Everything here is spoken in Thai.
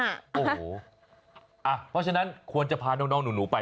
เพราะฉะนั้นควรจะพาน้องหนูไป